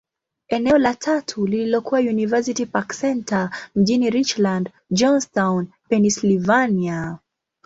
Eneo la tatu lililokuwa University Park Centre, mjini Richland, Johnstown, Pennyslvania.